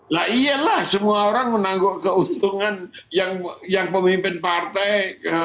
lah iyalah semua orang menangguk keuntungan yang pemimpin partai